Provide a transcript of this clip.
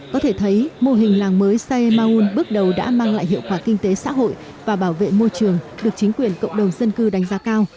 có thể thấy mô hình làng mới sae mawul bước đầu đã mang lại hiệu quả kinh tế xã hội và bảo vệ môi trường được chính quyền cộng đồng dân cư đánh giá cao